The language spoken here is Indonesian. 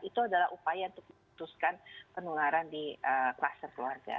itu adalah upaya untuk memutuskan penularan di kluster keluarga